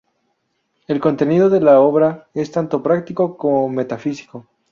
El contenido de la obra es tanto práctico como metafísico.